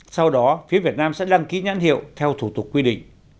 sau đó phía việt nam sẽ đăng ký nhãn hiệu theo thủ tục quy định